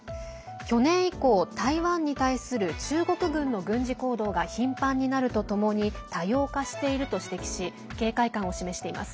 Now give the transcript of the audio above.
去年以降、台湾に対する中国軍の軍事行動が頻繁になるとともに多様化していると指摘し警戒感を示しています。